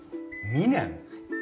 ２年！？